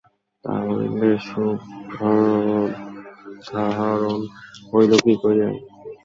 তাহা হইলে সুভদ্রাহরণ হইল কি করিয়া!